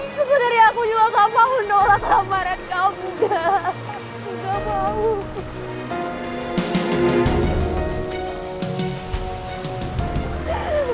sebenarnya aku juga gak mau nolak